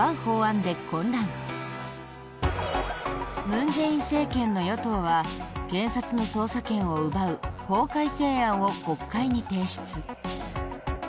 文在寅政権の与党は検察の捜査権を奪う法改正案を国会に提出。